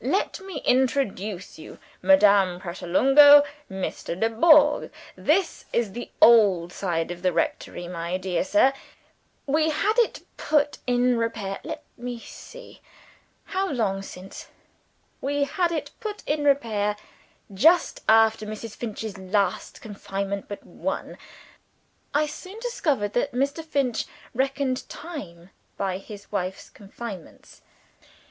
Let me introduce you. Madame Pratolungo Mr. Dubourg. This is the old side of the rectory, my dear sir. We had it put in repair let me see: how long since? we had it put in repair just after Mrs. Finch's last confinement but one." (I soon discovered that Mr. Finch reckoned time by his wife's confinements.)